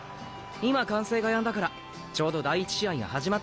今歓声がやんだからちょうど第１試合が始まった頃だと思うよ。